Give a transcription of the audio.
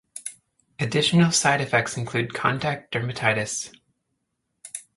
Additional side effects include contact dermatitis.